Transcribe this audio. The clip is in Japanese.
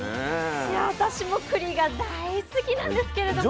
私もくりが大好きなんですけれども。